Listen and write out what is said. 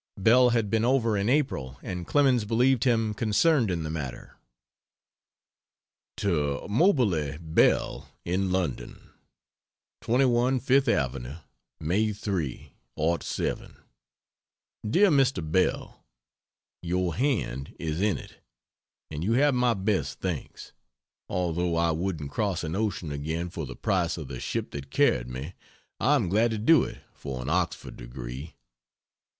Bell had been over in April and Clemens believed him concerned in the matter. To Moberly Bell, in London: 21 FIFTH AVENUE, May 3, '07 DEAR MR. BELL, Your hand is in it! and you have my best thanks. Although I wouldn't cross an ocean again for the price of the ship that carried me, I am glad to do it for an Oxford degree.